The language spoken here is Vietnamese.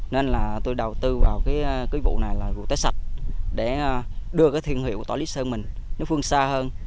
nên là tôi đầu tư vào cái vụ này là vụ tối sạch để đưa cái thương hiệu tỏi lý sơn mình phương xa hơn